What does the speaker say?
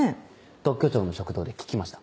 特許庁の食堂で聞きました。